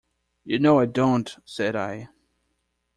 "You know I don't," said I.